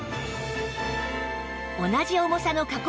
同じ重さの加工